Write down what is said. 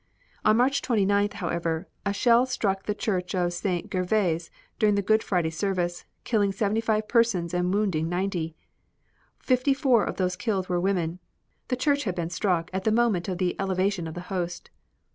On March 29th, however, a shell struck the church of St. Gervais during the Good Friday service, killing seventy five persons and wounding ninety. Fifty four of those killed were women. The church had been struck at the moment of the Elevation of the Host.